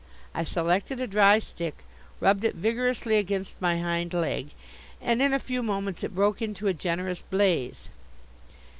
I selected a dry stick, rubbed it vigorously against my hind leg, and in a few moments it broke into a generous blaze.